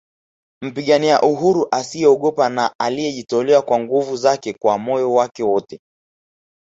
Mpigania uhuru asiyeogopa na aliyejitolea kwa nguvu zake na kwa moyo wake wote